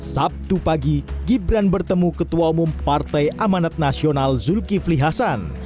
sabtu pagi gibran bertemu ketua umum partai amanat nasional zulkifli hasan